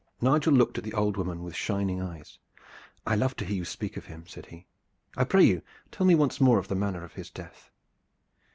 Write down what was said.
Nigel looked at the old woman with shining eyes. "I love to hear you speak of him," said he. "I pray you to tell me once more of the manner of his death."